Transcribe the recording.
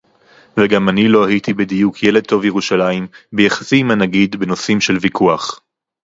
וגם אני לא הייתי בדיוק ילד טוב ירושלים ביחסי עם הנגיד בנושאים של ויכוח